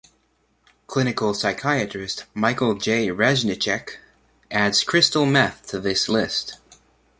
Clinical psychiatrist Michael J. Reznicek adds crystal meth to this list.